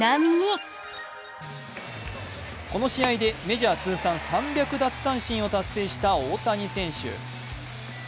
この試合でメジャー通算３００奪三振を達成した大谷選手。